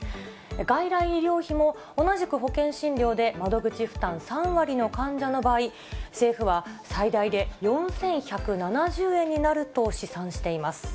外来医療費も同じく保険診療で窓口負担３割の患者の場合、政府は最大で４１７０円になると試算しています。